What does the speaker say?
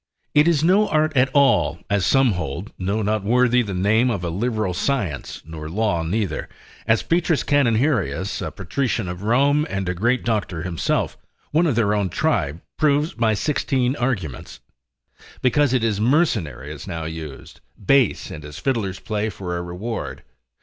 It is no art at all, as some hold, no not worthy the name of a liberal science (nor law neither), as Pet. And. Canonherius a patrician of Rome and a great doctor himself, one of their own tribe, proves by sixteen arguments, because it is mercenary as now used, base, and as fiddlers play for a reward.